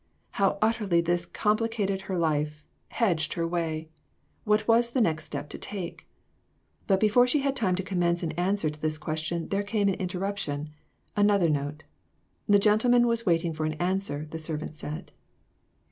How utterly this complicated her life, hedged her way ! What was the next step to take ? But before she had time to com mence an answer to this question, there came an interruption another note. The gentleman was waiting for an answer, the servant said.